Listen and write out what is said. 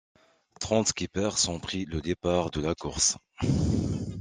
Trente skippers ont pris le départ de la course.